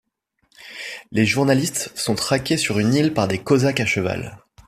Les journalistes sont traqués sur une île par des cosaques à cheval.